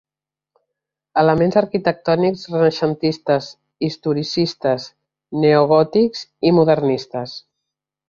Elements arquitectònics renaixentistes, historicistes, neogòtics i modernistes.